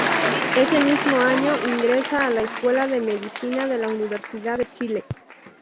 Ese mismo año, ingresa a la escuela de Medicina de la Universidad de Chile.